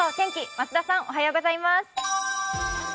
増田さんおはようございます。